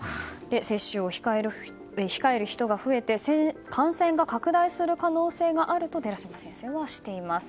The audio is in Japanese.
接種を控える人が増えて感染が拡大する可能性があると寺嶋先生はしています。